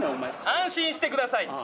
安心してください。